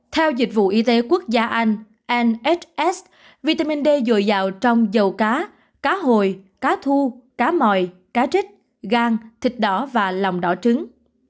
theo dịch vụ y tế quốc gia anh nss vitamin d dồi dào trong dầu cá cá hồi cá thu cá mòi cá trích gang thịt đỏ và lòng đỏ trứng